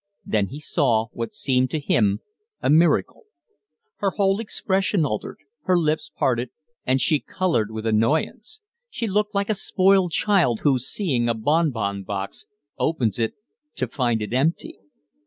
Then he saw what seemed to him a miracle. Her whole expression altered, her lips parted, and she colored with annoyance. She looked like a spoiled child who, seeing a bonbon box, opens it to find it empty.